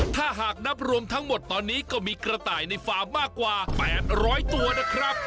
ถ้าหากนับรวมทั้งหมดตอนนี้ก็มีกระต่ายในฟาร์มมากกว่า๘๐๐ตัวนะครับ